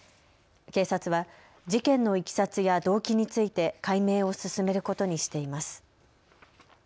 警察は事件のいきさつや動機について解明を進めることにしています。